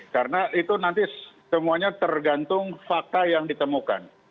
karena itu nanti semuanya tergantung fakta yang ditemukan